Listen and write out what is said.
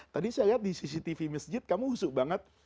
tadi saya lihat di cctv masjid kamu husuk banget